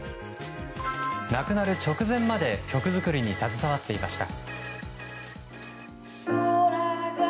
亡くなる直前まで曲作りに携わっていました。